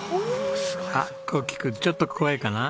あっ光樹くんちょっと怖いかな？